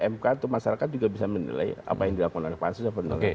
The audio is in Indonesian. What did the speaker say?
mk atau masyarakat juga bisa menilai apa yang dilakukan oleh pansus atau menilai kpk